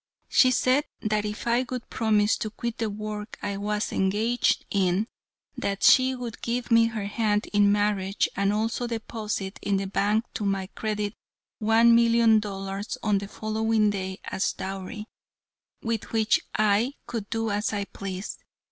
She said that if I would promise to quit the work I was engaged in, that she would give me her hand in marriage, and also deposit in the bank to my credit one million dollars on the following day as a dowry, with which I could do as I pleased.